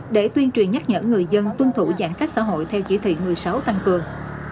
để tuyên truyền nhắc nhở người dân tuân thủ giãn cách xã hội theo chỉ thị một mươi sáu tăng cường